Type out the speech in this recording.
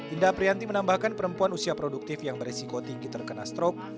indah aprianti menambahkan perempuan usia produktif yang beresiko tinggi terkena strok